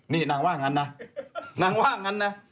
นี่นางว่างั้นนะ